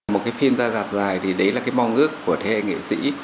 một cái phim ra dạp dài thì đấy là cái mong ước của thê nghệ sĩ